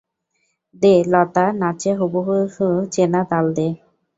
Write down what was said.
দে লতা, নাচে হুবুহু চেনা তাল দে।